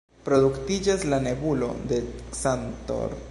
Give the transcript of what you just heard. Produktiĝas la “nebulo de "Cantor"”.